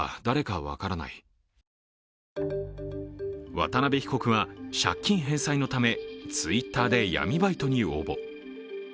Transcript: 渡邉被告は、借金返済のためＴｗｉｔｔｅｒで闇バイトに応募。